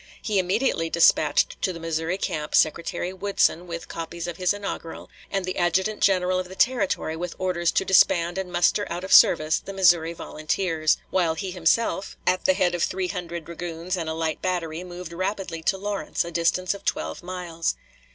He immediately dispatched to the Missouri camp Secretary Woodson with copies of his inaugural, and the adjutant general of the Territory with orders to disband and muster out of service the Missouri volunteers, while he himself, at the head of three hundred dragoons and a light battery, moved rapidly to Lawrence, a distance of twelve miles.